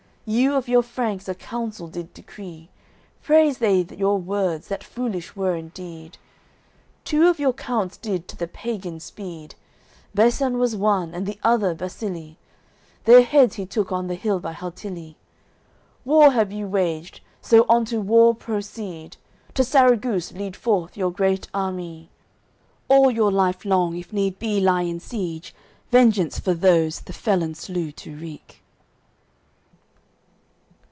You of your Franks a Council did decree, Praised they your words that foolish were in deed. Two of your Counts did to the pagan speed, Basan was one, and the other Basilie: Their heads he took on th' hill by Haltilie. War have you waged, so on to war proceed, To Sarraguce lead forth your great army. All your life long, if need be, lie in siege, Vengeance for those the felon slew to wreak."